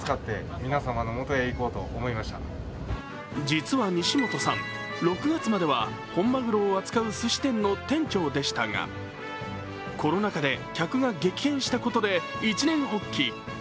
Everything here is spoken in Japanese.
実は西本さん６月までは本マグロを扱うすし店の店長でしたがコロナ禍で客が激減したことで一念発起。